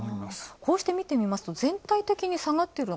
こうしてみてみますと、全体的に下がってる。